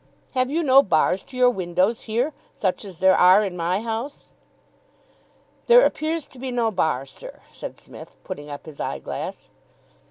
"Have you no bars to your windows here, such as there are in my house?" "There appears to be no bar, sir," said Psmith, putting up his eyeglass.